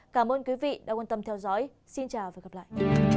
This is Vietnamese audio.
cảm ơn quý vị đã quan tâm theo dõi xin chào và hẹn gặp lại